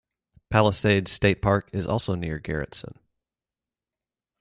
Palisades State Park is also near Garretson.